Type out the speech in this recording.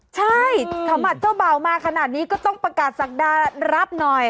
ใช่สมบัติเจ้าบ่าวมาขนาดนี้ก็ต้องประกาศศักดารับหน่อย